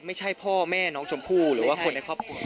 ไม่ใช่พ่อแม่น้องชมพู่หรือว่าคนในครอบครัว